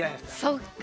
そっか。